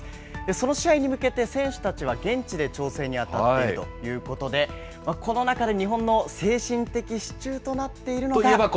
その試合に向けて、選手たちは現地で調整に当たっているということで、この中で日本の精神的支柱となっているのが。